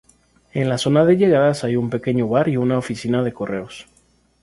En la zona de llegadas hay un pequeño bar y una oficina de correos.